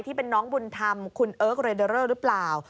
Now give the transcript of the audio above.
ที่เป็นน้องบุญธรรมคุณเอิร์กเรเดอเรอร์หรือเปล่า